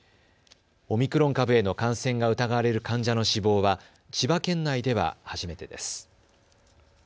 オミクロン株への感染が疑われる患者の死亡は千葉県内では初めてです。